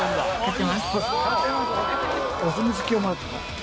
お墨付きをもらった。